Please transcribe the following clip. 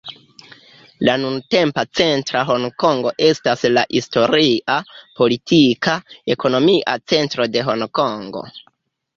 La nuntempa centra Honkongo estas la historia, politika, ekonomia centro de Honkongo.